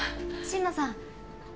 心野さん！